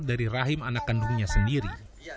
dari rahim anak kandungnya sendiri